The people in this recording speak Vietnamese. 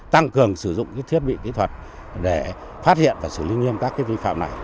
tăng cường sử dụng thiết bị kỹ thuật để phát hiện và xử lý nghiêm các vi phạm này